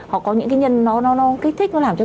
hoặc có những nhân nó kích thích nó làm cho bệnh nhân